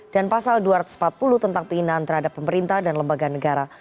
dan pasal dua ratus empat puluh tentang penginaan terhadap pemerintah dan lembaga negara